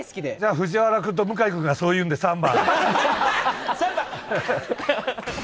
藤原君と向井君がそう言うんで３番。